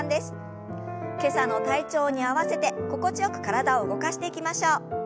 今朝の体調に合わせて心地よく体を動かしていきましょう。